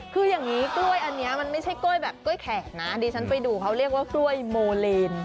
คืออย่างนี้กล้วยอันนี้มันไม่ใช่กล้วยแบบกล้วยแขกนะดิฉันไปดูเขาเรียกว่ากล้วยโมเลน